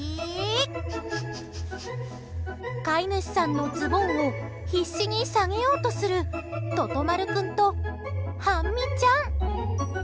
飼い主さんのズボンを必死に下げようとするととまる君と、はんみちゃん。